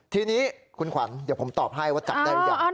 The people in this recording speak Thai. ทีนี้คุณขวัญเดี๋ยวผมตอบให้ว่าจับได้หรือยัง